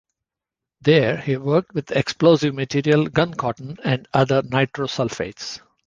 There he worked with the explosive material guncotton and other nitrosulphates.